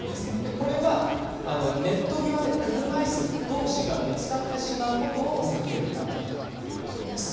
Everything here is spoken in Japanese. これは、ネット際で車いすどうしがぶつかってしまうことを避けるためだということです。